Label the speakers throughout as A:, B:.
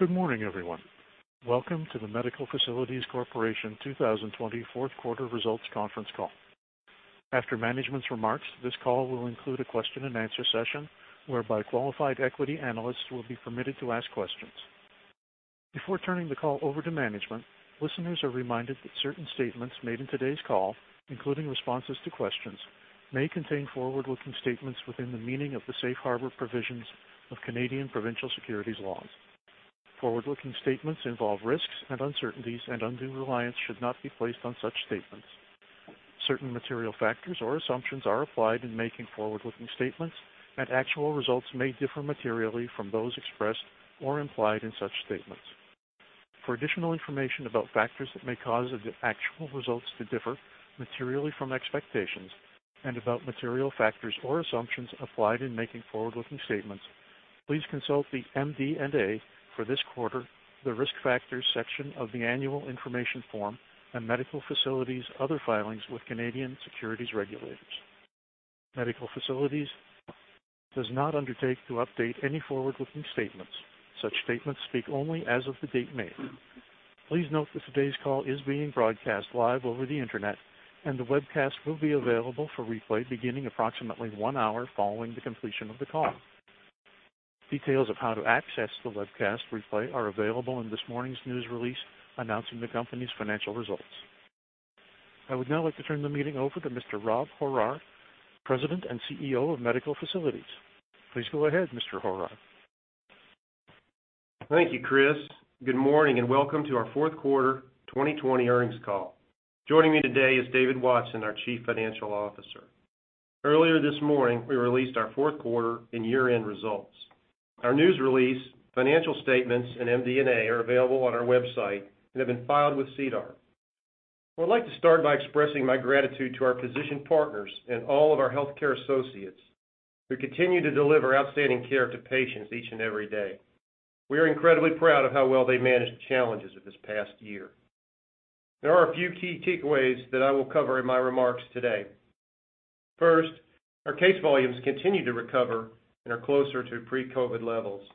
A: Good morning, everyone. Welcome to the Medical Facilities Corporation 2020 Fourth Quarter Results Conference Call. After management's remarks, this call will include a question and answer session whereby qualified equity analysts will be permitted to ask questions. Before turning the call over to management, listeners are reminded that certain statements made in today's call, including responses to questions, may contain forward-looking statements within the meaning of the safe harbor provisions of Canadian provincial securities laws. Forward-looking statements involve risks and uncertainties, and undue reliance should not be placed on such statements. Certain material factors or assumptions are applied in making forward-looking statements, and actual results may differ materially from those expressed or implied in such statements. For additional information about factors that may cause the actual results to differ materially from expectations and about material factors or assumptions applied in making forward-looking statements, please consult the MD&A for this quarter, the Risk Factors section of the annual information form, and Medical Facilities' other filings with Canadian securities regulators. Medical Facilities does not undertake to update any forward-looking statements. Such statements speak only as of the date made. Please note that today's call is being broadcast live over the Internet, and the webcast will be available for replay beginning approximately one hour following the completion of the call. Details of how to access the webcast replay are available in this morning's news release announcing the company's financial results. I would now like to turn the meeting over to Mr. Rob Horrar, President and CEO of Medical Facilities. Please go ahead, Mr. Horrar.
B: Thank you, Chris. Good morning and welcome to our fourth quarter 2020 earnings call. Joining me today is David Watson, our Chief Financial Officer. Earlier this morning, we released our fourth quarter and year-end results. Our news release, financial statements, and MD&A are available on our website and have been filed with SEDAR. I would like to start by expressing my gratitude to our physician partners and all of our healthcare associates who continue to deliver outstanding care to patients each and every day. We are incredibly proud of how well they managed the challenges of this past year. There are a few key takeaways that I will cover in my remarks today. First, our case volumes continue to recover and are closer to pre-COVID levels.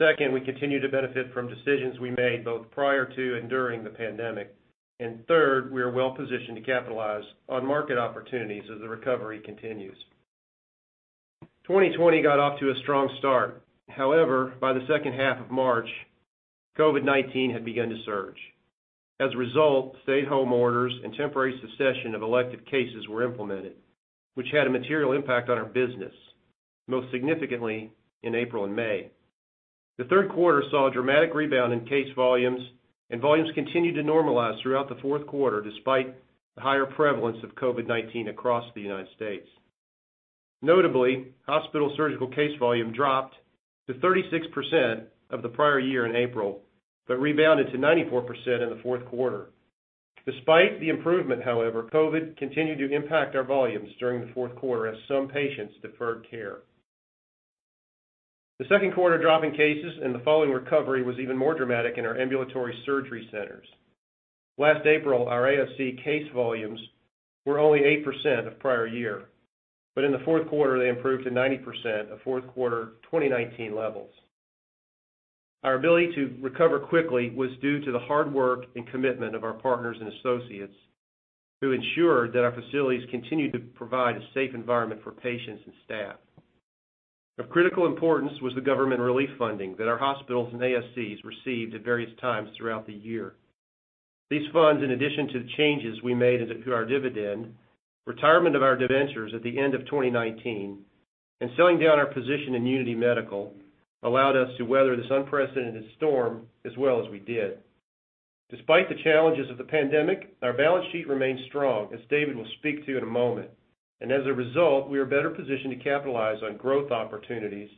B: Second, we continue to benefit from decisions we made both prior to and during the pandemic. Third, we are well positioned to capitalize on market opportunities as the recovery continues. 2020 got off to a strong start. However, by the second half of March, COVID-19 had begun to surge. As a result, stay home orders and temporary cessation of elective cases were implemented, which had a material impact on our business, most significantly in April and May. The third quarter saw a dramatic rebound in case volumes, and volumes continued to normalize throughout the fourth quarter, despite the higher prevalence of COVID-19 across the United States. Notably, hospital surgical case volume dropped to 36% of the prior year in April, but rebounded to 94% in the fourth quarter. Despite the improvement, however, COVID continued to impact our volumes during the fourth quarter as some patients deferred care. The second quarter drop in cases and the following recovery was even more dramatic in our Ambulatory Surgery Centers. Last April, our ASC case volumes were only 8% of prior year, but in the fourth quarter, they improved to 90% of fourth quarter 2019 levels. Our ability to recover quickly was due to the hard work and commitment of our partners and associates who ensured that our facilities continued to provide a safe environment for patients and staff. Of critical importance was the government relief funding that our hospitals and ASCs received at various times throughout the year. These funds, in addition to the changes we made to our dividend, retirement of our debentures at the end of 2019, and selling down our position in Unity Medical, allowed us to weather this unprecedented storm as well as we did. Despite the challenges of the pandemic, our balance sheet remains strong, as David will speak to in a moment, and as a result, we are better positioned to capitalize on growth opportunities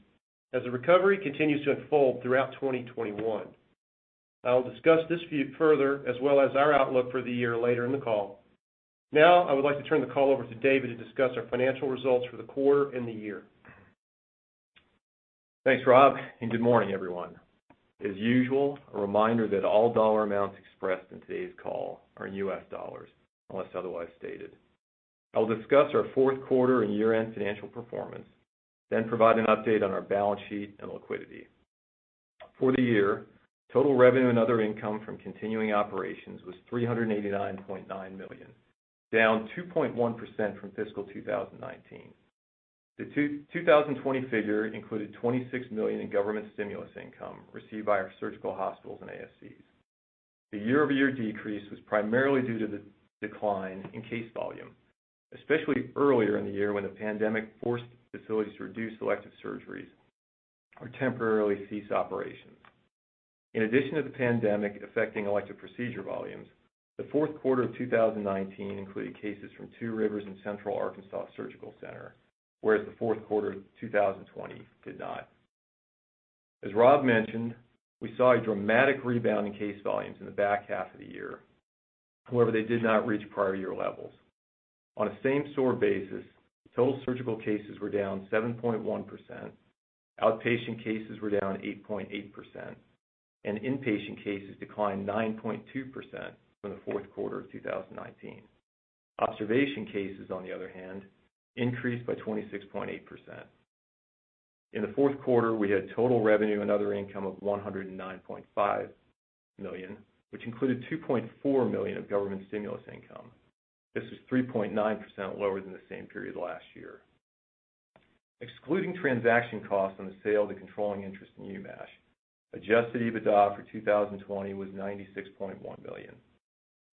B: as the recovery continues to unfold throughout 2021. I will discuss this view further, as well as our outlook for the year later in the call. Now, I would like to turn the call over to David to discuss our financial results for the quarter and the year.
C: Thanks, Rob. Good morning, everyone. As usual, a reminder that all dollar amounts expressed in today's call are in US dollars, unless otherwise stated. I will discuss our fourth quarter and year-end financial performance, then provide an update on our balance sheet and liquidity. For the year, total revenue and other income from continuing operations was $389.9 million, down 2.1% from fiscal 2019. The 2020 figure included $26 million in government stimulus income received by our surgical hospitals and ASCs. The year-over-year decrease was primarily due to the decline in case volume, especially earlier in the year when the pandemic forced facilities to reduce elective surgeries or temporarily cease operations. In addition to the pandemic affecting elective procedure volumes, the fourth quarter of 2019 included cases from Two Rivers and Central Arkansas Surgical Center, whereas the fourth quarter of 2020 did not. As Rob mentioned, we saw a dramatic rebound in case volumes in the back half of the year. They did not reach prior year levels. On a same store basis, total surgical cases were down 7.1%, outpatient cases were down 8.8%, and inpatient cases declined 9.2% from the fourth quarter of 2019. Observation cases, on the other hand, increased by 26.8%. In the fourth quarter, we had total revenue and other income of $109.5 million, which included $2.4 million of government stimulus income. This was 3.9% lower than the same period last year. Excluding transaction costs on the sale of the controlling interest in UMASH, adjusted EBITDA for 2020 was $96.1 million.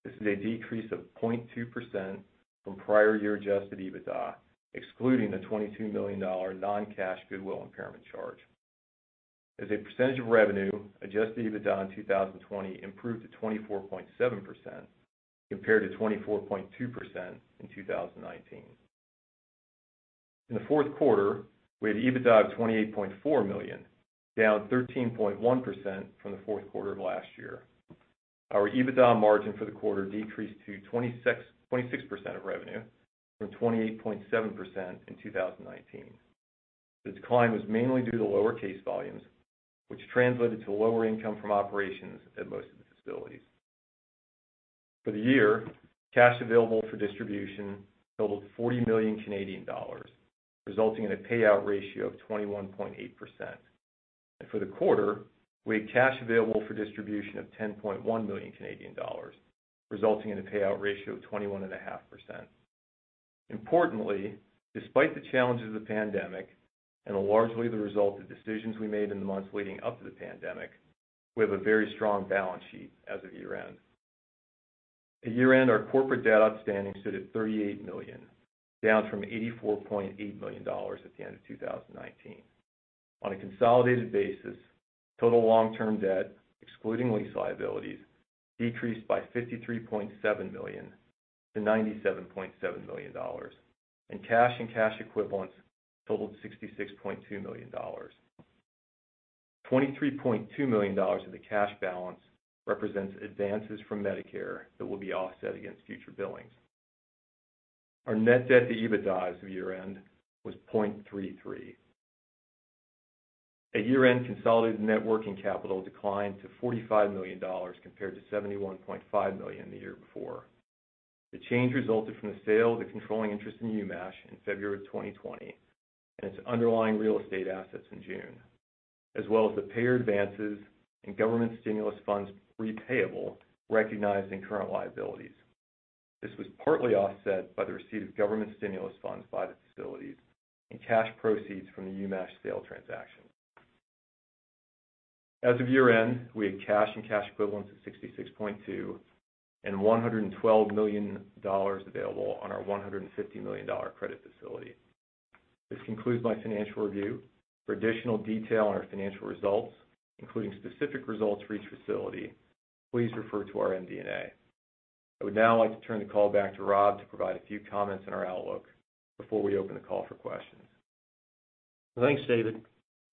C: This is a decrease of 0.2% from prior year adjusted EBITDA, excluding the $22 million non-cash goodwill impairment charge. As a percentage of revenue, adjusted EBITDA in 2020 improved to 24.7%, compared to 24.2% in 2019. In the fourth quarter, we had EBITDA of $28.4 million, down 13.1% from the fourth quarter of last year. Our EBITDA margin for the quarter decreased to 26% of revenue from 28.7% in 2019. The decline was mainly due to lower case volumes, which translated to lower income from operations at most of the facilities. For the year, cash available for distribution totaled 40 million Canadian dollars, resulting in a payout ratio of 21.8%. For the quarter, we had cash available for distribution of 10.1 million Canadian dollars, resulting in a payout ratio of 21.5%. Importantly, despite the challenges of the pandemic, and are largely the result of decisions we made in the months leading up to the pandemic, we have a very strong balance sheet as of year-end. At year-end, our corporate debt outstanding stood at $38 million, down from $84.8 million at the end of 2019. On a consolidated basis, total long-term debt, excluding lease liabilities, decreased by $53.7 million-$97.7 million. Cash and cash equivalents totaled $66.2 million. $23.2 million of the cash balance represents advances from Medicare that will be offset against future billings. Our net debt to EBITDA as of year-end was 0.33%. At year-end, consolidated net working capital declined to $45 million compared to $71.5 million the year before. The change resulted from the sale of the controlling interest in UMASH in February of 2020 and its underlying real estate assets in June, as well as the payer advances and government stimulus funds repayable recognized in current liabilities. This was partly offset by the receipt of government stimulus funds by the facilities and cash proceeds from the UMASH sale transaction. As of year-end, we had cash and cash equivalents of $66.2 and $112 million available on our $150 million credit facility. This concludes my financial review. For additional detail on our financial results, including specific results for each facility, please refer to our MD&A. I would now like to turn the call back to Rob to provide a few comments on our outlook before we open the call for questions.
B: Thanks, David.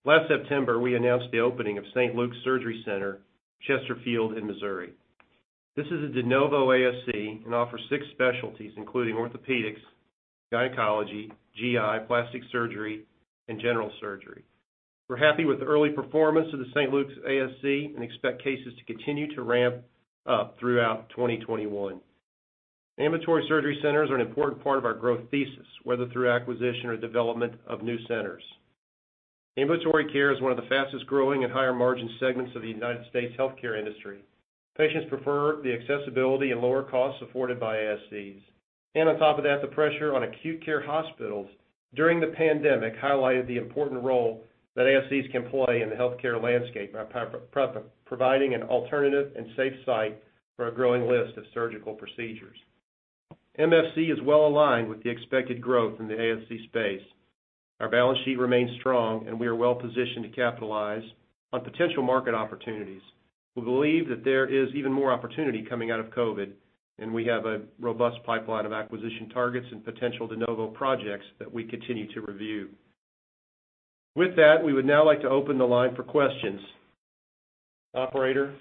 B: Last September, we announced the opening of St. Luke's Surgery Center of Chesterfield in Missouri. This is a de novo ASC and offers six specialties, including orthopedics, gynecology, GI, plastic surgery, and general surgery. We're happy with the early performance of the St. Luke's ASC and expect cases to continue to ramp up throughout 2021. Ambulatory surgery centers are an important part of our growth thesis, whether through acquisition or development of new centers. Ambulatory care is one of the fastest-growing and higher margin segments of the United States healthcare industry. Patients prefer the accessibility and lower costs afforded by ASCs. On top of that, the pressure on acute care hospitals during the pandemic highlighted the important role that ASCs can play in the healthcare landscape by providing an alternative and safe site for a growing list of surgical procedures. MFC is well aligned with the expected growth in the ASC space. Our balance sheet remains strong, we are well positioned to capitalize on potential market opportunities. We believe that there is even more opportunity coming out of COVID, and we have a robust pipeline of acquisition targets and potential de novo projects that we continue to review. With that, we would now like to open the line for questions. Operator?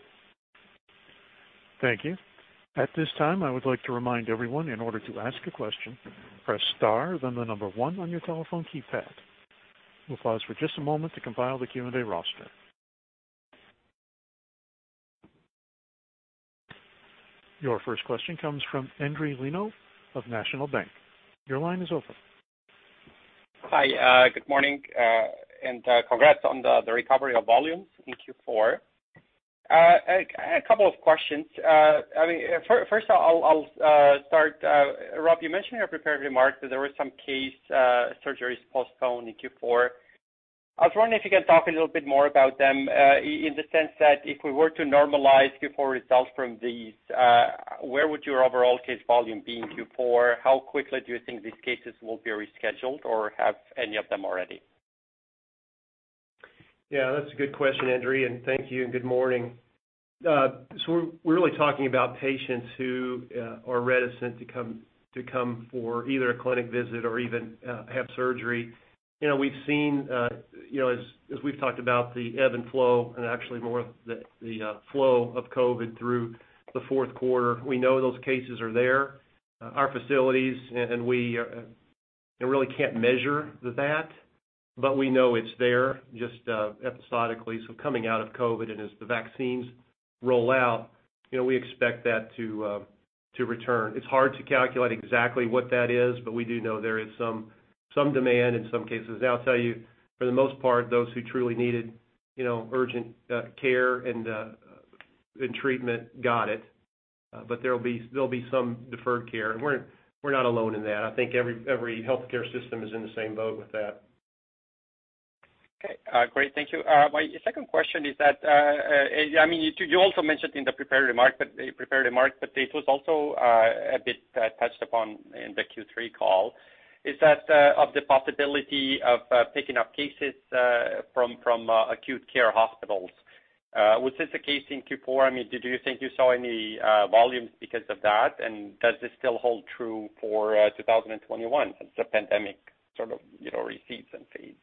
A: Thank you. At this time, I would like to remind everyone, in order to ask a question, press star, then the number one on your telephone keypad. We'll pause for just a moment to compile the Q&A roster. Your first question comes from Endri Leno of National Bank. Your line is open.
D: Hi, good morning. Congrats on the recovery of volumes in Q4. I had a couple of questions. First, I'll start. Rob, you mentioned in your prepared remarks that there were some case surgeries postponed in Q4. I was wondering if you can talk a little bit more about them in the sense that if we were to normalize Q4 results from these, where would your overall case volume be in Q4? How quickly do you think these cases will be rescheduled or have any of them already?
B: Yeah, that's a good question, Endri, and thank you and good morning. We're really talking about patients who are reticent to come for either a clinic visit or even have surgery. We've seen, as we've talked about, the ebb and flow, and actually more the flow of COVID-19 through the fourth quarter. We know those cases are there. Our facilities, and really can't measure that, but we know it's there just episodically. Coming out of COVID-19 and as the vaccines roll out, we expect that to return. It's hard to calculate exactly what that is, we do know there is some demand in some cases. I'll tell you, for the most part, those who truly needed urgent care and treatment got it, there'll be some deferred care. We're not alone in that. I think every healthcare system is in the same boat with that.
D: Okay. Great. Thank you. My second question is that, you also mentioned in the prepared remarks, but it was also a bit touched upon in the Q3 call, is that of the possibility of picking up cases from acute care hospitals. Was this the case in Q4? Do you think you saw any volumes because of that, and does this still hold true for 2021 since the pandemic sort of recedes and fades?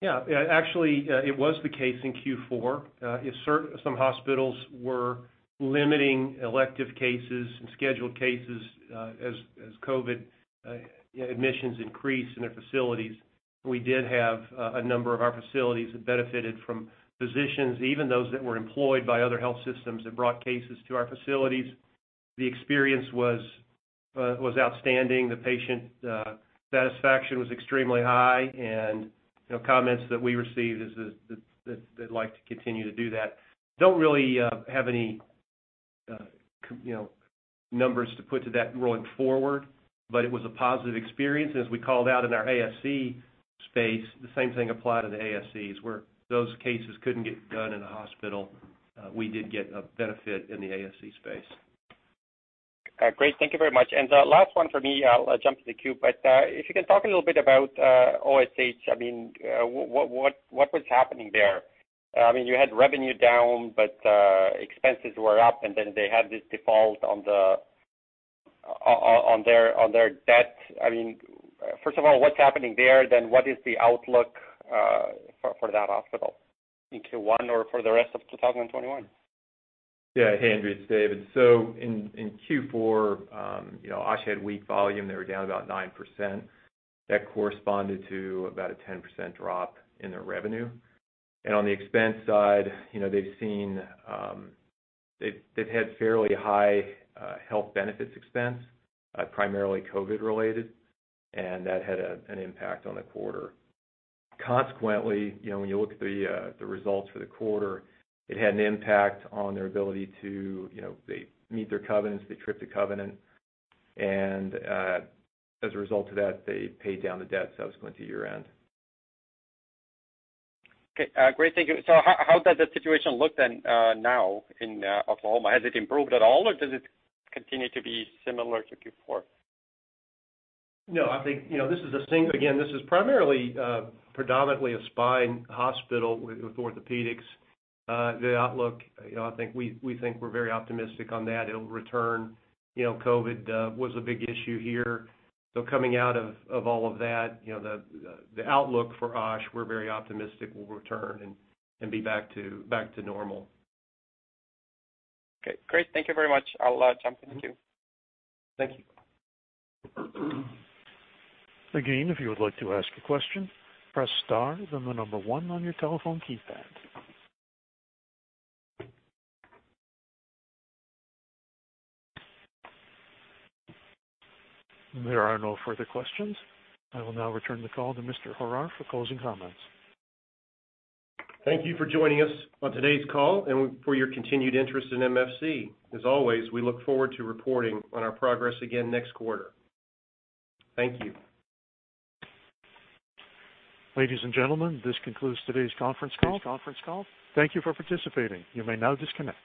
B: Yeah. Actually, it was the case in Q4. Some hospitals were limiting elective cases and scheduled cases as COVID admissions increased in their facilities. We did have a number of our facilities that benefited from physicians, even those that were employed by other health systems, that brought cases to our facilities. The experience was outstanding. The patient satisfaction was extremely high, and comments that we received is that they'd like to continue to do that. Don't really have any numbers to put to that going forward, but it was a positive experience. As we called out in our ASC space, the same thing applied to the ASCs, where those cases couldn't get done in a hospital, we did get a benefit in the ASC space.
D: Great. Thank you very much. The last one from me, I'll jump to the queue, but if you can talk a little bit about OSH. What was happening there? You had revenue down, but expenses were up, and then they had this default on their debt. First of all, what's happening there? What is the outlook for that hospital in Q1 or for the rest of 2021?
C: Yeah, Endri, it's David. In Q4, OSH had weak volume. They were down about 9%. That corresponded to about a 10% drop in their revenue. On the expense side, they've had fairly high health benefits expense, primarily COVID-19 related, and that had an impact on the quarter. Consequently, when you look at the results for the quarter, it had an impact on their ability to meet their covenants. They tripped a covenant, and as a result of that, they paid down the debt subsequent to year-end.
D: Okay. Great. Thank you. How does the situation look now in Oklahoma? Has it improved at all, or does it continue to be similar to Q4?
B: No, I think, again, this is primarily predominantly a spine hospital with orthopedics. The outlook, we think we're very optimistic on that it'll return. COVID was a big issue here. Coming out of all of that, the outlook for OSH, we're very optimistic will return and be back to normal.
D: Okay, great. Thank you very much. I'll jump in the queue. Thank you.
A: Again, if you would like to ask a question, press star, then the number one on your telephone keypad. There are no further questions. I will now return the call to Mr. Horrar for closing comments.
B: Thank you for joining us on today's call and for your continued interest in MFC. As always, we look forward to reporting on our progress again next quarter. Thank you.
A: Ladies and gentlemen, this concludes today's conference call. Thank you for participating. You may now disconnect.